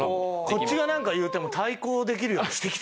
こっちがなんか言うても対抗できるようにしてきてる。